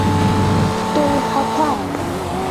Ҳдоуҳақәа?